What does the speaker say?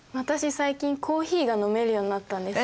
最近コーヒーが飲めるようになったんですよ。